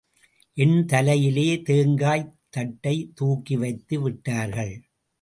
என் தலையிலே தேங்காய்த் தட்டைத் தூக்கிவைத்து விட்டார்கள்.